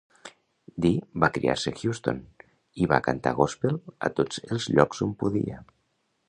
Di va criar-se a Houston i va cantar gòspel a tots els llocs on podia.